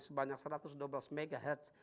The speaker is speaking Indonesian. sebanyak satu ratus dua belas mhz